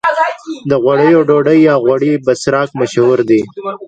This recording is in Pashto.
د غوړیو ډوډۍ یا غوړي بسراق مشهور دي.